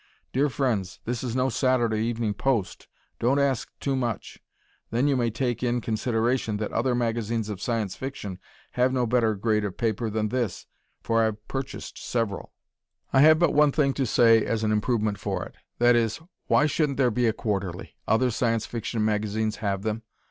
Dear friends, this is no Saturday Evening Post. Don't ask too much. Then, you may take in consideration that other magazines of Science Fiction have no better grade of paper than this, for I have purchased several. I have but one thing to say as an improvement for it. That is, why shouldn't there be a Quarterly? Other Science Fiction magazines have them.